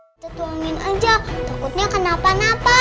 kita tuangin aja takutnya kenapa napa